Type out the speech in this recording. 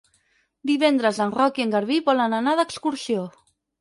Divendres en Roc i en Garbí volen anar d'excursió.